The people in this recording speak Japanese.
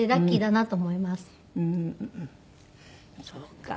そっか。